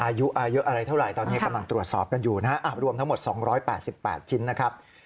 อายุเยอะอะไรเท่าไหร่ตอนนี้กำลังตรวจสอบกันอยู่นะฮะรวมทั้งหมด๒๘๘ชิ้นนะครับ